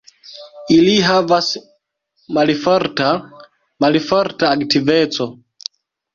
Ili havas malforta malforta aktiveco.